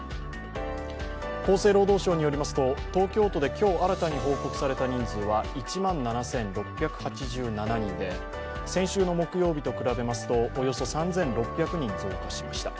厚生労働省によりますと東京都で今日新たに報告された人数は１万７６８７人で先週の木曜日と比べますとおよそ３６００人増加しました。